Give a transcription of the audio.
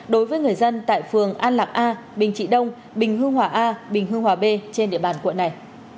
đối với người dân tại phường an lạc a bình trị đông bình hương hòa a bình hương hòa b trên địa bàn quận này